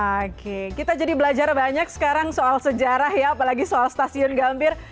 oke kita jadi belajar banyak sekarang soal sejarah ya apalagi soal stasiun gambir